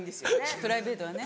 プライベートはね。